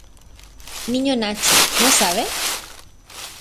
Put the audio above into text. niño Nacho, no sabe?